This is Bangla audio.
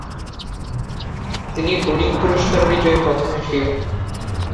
তিনি টুরিং পুরস্কার বিজয়ী প্রথম এশীয়।